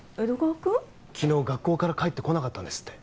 昨日学校から帰ってこなかったんですって。